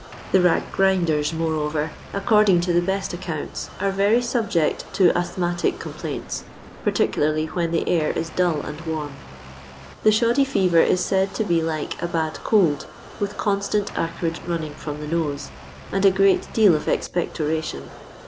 The rag grinders, moreover, according to the best acconnu, are very subject to asthmatic compUiints, particularly when the air is dull and warm. The shoddy fisver is said to be like a bad cold, with constant acrid running from the nose, and a great deal of expectoration.